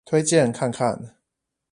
推薦看看。